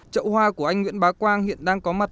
chậu hoa của anh nguyễn bá quang hiện đang có mặt